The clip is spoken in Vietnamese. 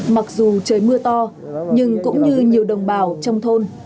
mặc dù trời mưa to nhưng cũng như nhiều đồng bào trong thôn